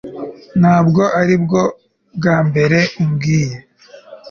Ntabwo aribwo bwa mbere umbwiye